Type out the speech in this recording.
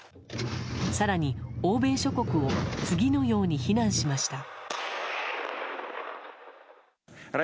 更に欧米諸国を次のように非難しました。